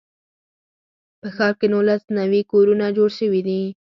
په ښار کې نولس نوي کورونه جوړ شوي دي.